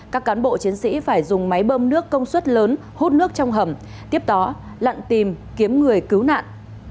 các cán bộ chiến sĩ phải dùng máy bơm nước công suất lớn hút nước trong hầm tiếp đó lặn tìm kiếm người cứu nạn